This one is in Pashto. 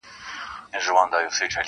ته به ولي په چاړه حلالېدلای -